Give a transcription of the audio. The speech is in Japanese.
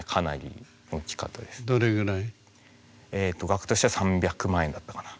額としては３００万円だったかな。